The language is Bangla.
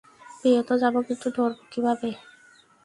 পেয়ে তো যাবো, কিন্তু ধরবো কীভাবে?